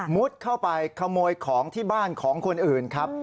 เข้าไปขโมยของที่บ้านของคนอื่นครับ